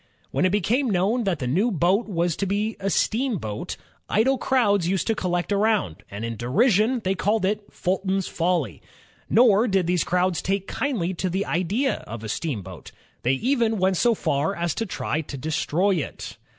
When it became known that the new boat was to be a steamboat, idle crowds used to collect around, and in derision they called it "Fulton's Folly." Nor did these crowds take kindly to the idea of a steamboat; they even went so far as to try to destroy it.